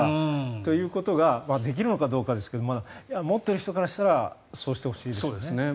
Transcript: そういうことができるかどうかですけど持っている人からしたら変更してほしいですよね。